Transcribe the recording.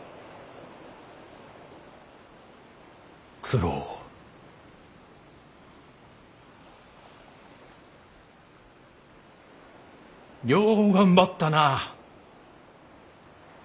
九郎よう頑張ったなあ。